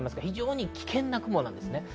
非常に危険な雲です。